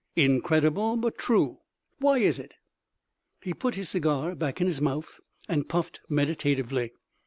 Incredible, but true. Why is it?" He put his cigar back in his mouth and puffed meditatively.